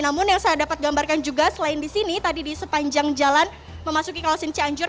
namun yang saya dapat gambarkan juga selain di sini tadi di sepanjang jalan memasuki kawasan cianjur